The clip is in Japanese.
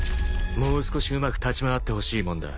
［もう少しうまく立ち回ってほしいもんだ］